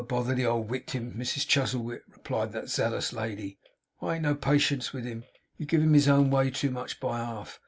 'Oh, bother the old wictim, Mrs Chuzzlewit,' replied that zealous lady, 'I ain't no patience with him. You give him his own way too much by half.